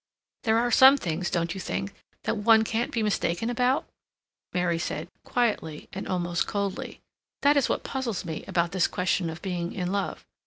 "There are some things, don't you think, that one can't be mistaken about?" Mary said, quietly and almost coldly. "That is what puzzles me about this question of being in love.